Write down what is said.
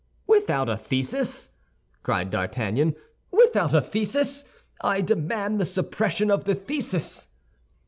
"Without a thesis?" cried D'Artagnan, "without a thesis? I demand the suppression of the thesis."